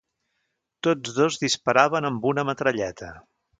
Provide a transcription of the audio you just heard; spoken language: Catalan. Tots dos disparaven amb una metralleta.